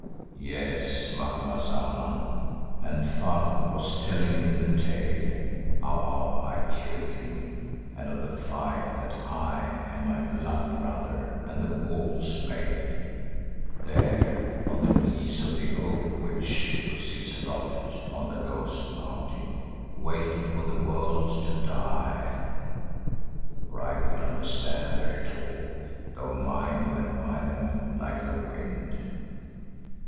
"Yes, Macumazahn, and Faku was telling him the tale of how I killed him and of the fight that I and my blood brother and the wolves made, there on the knees of the old witch who sits aloft on the Ghost Mountain waiting for the world to die, for I could understand their talk, though mine went by them like the wind.